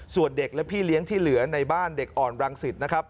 ส่วนเด็กและพี่เลี้ยงที่เหลือในบ้านเด็กอ่อนรังสิตนะครับ